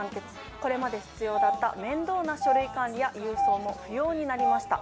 これまで必要だった面倒な書類管理や郵送も不要になりました。